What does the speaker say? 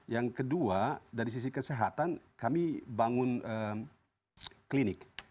yang kedua dari sisi kesehatan kami bangun klinik